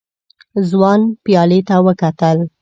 ځوان پيالې ته وکتل.